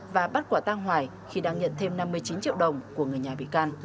và bắt quả tang hoài khi đang nhận thêm năm mươi chín triệu đồng của người nhà bị can